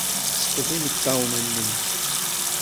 Sfeḍ imeṭṭawen-nnem.